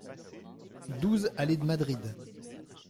douze allée de Madrid